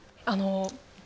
あの。